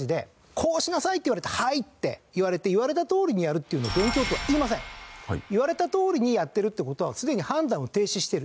「こうしなさい」って言われて「はい」って言われて言われたとおりにやるっていうのは言われたとおりにやってるって事はすでに判断を停止している。